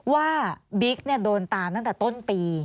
บิ๊กโดนตามตั้งแต่ต้นปี